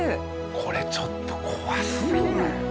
これちょっと怖すぎない？